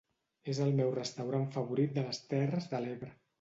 És el meu restaurant favorit de les Terres de l'Ebre.